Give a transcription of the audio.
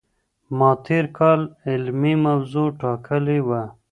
ما تېر کال علمي موضوع ټاکلې وه.